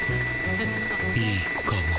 いいかも。